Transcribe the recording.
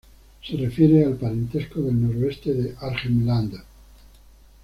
Se refiere al parentesco del noreste de Arnhem Land.